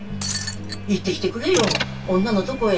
行ってきてくれよ女のとこへ。